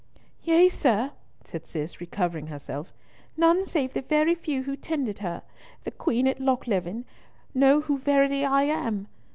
"Yea, sir," said Cis, recovering herself, "none save the very few who tended her, the Queen at Lochleven, know who I verily am.